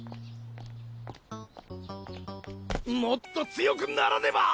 もっと強くならねば！